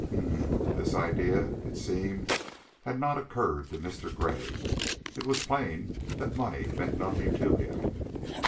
"Um m!" This idea, it seemed, had not occurred to Mr. Gray. It was plain that money meant nothing to him.